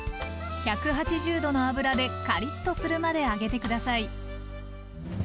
１８０℃の油でカリッとするまで揚げて下さい。